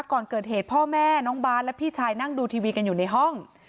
ก่อนเกิดเหตุพ่อแม่น้องบาทและพี่ชายนั่งดูทีวีกันอยู่ในห้อง